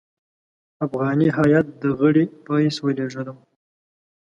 افغاني هیات د غړي په حیث ولېږلم.